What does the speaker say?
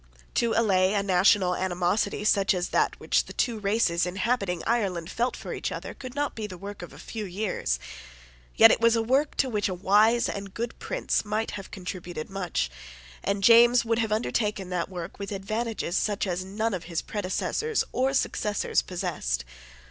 To allay a national animosity such as that which the two races inhabiting Ireland felt for each other could not be the work of a few years. Yet it was a work to which a wise and good prince might have contributed much; and James would have undertaken that work with advantages such as none of his predecessors or successors possessed.